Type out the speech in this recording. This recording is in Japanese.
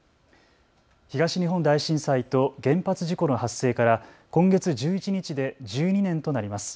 東日本大震災と原発事故の発生から今月１１日で１２年となります。